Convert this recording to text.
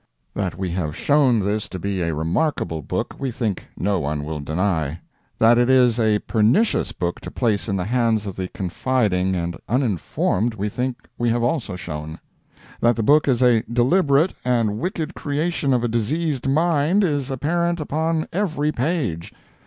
That we have shown this to be a remarkable book, we think no one will deny. That it is a pernicious book to place in the hands of the confiding and uninformed we think we have also shown. That the book is a deliberate and wicked creation of a diseased mind, is apparent upon every page.